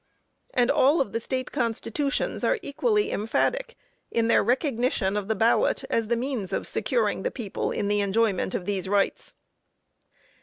And all of the State Constitutions are equally emphatic in their recognition of the ballot as the means of securing the people in the enjoyment of these rights.